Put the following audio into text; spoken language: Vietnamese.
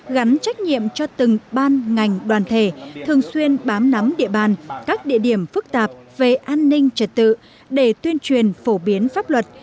gắn trách nhiệm cho từng ban ngành đoàn thể thường xuyên bám nắm địa bàn các địa điểm phức tạp về an ninh trật tự để tuyên truyền phổ biến pháp luật